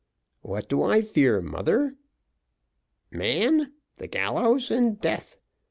"What do I fear, mother?" "Man the gallows, and death.